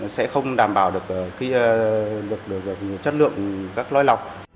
sẽ không đảm bảo được chất lượng các loài lọc